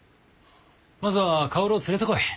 まずは薫を連れてこい。